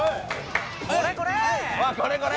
これこれ！